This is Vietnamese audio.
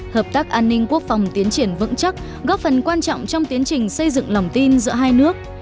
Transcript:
hợp tác an ninh quốc phòng tiến triển vững chắc góp phần quan trọng trong tiến trình xây dựng lòng tin giữa hai nước